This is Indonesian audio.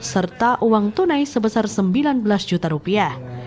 serta uang tunai sebesar sembilan belas juta rupiah